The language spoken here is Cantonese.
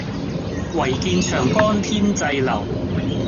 唯見長江天際流